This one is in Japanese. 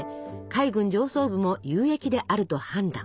海軍上層部も有益であると判断。